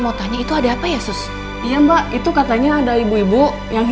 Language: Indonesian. musti muter dong